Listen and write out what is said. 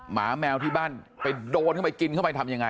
หมาแมวที่บ้านไปโดนเข้าไปกินเข้าไปทำยังไง